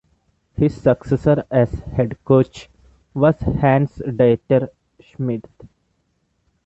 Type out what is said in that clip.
His successor as head coach was Hans-Dieter Schmidt.